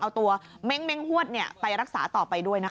เอาตัวเม้งฮวดไปรักษาต่อไปด้วยนะคะ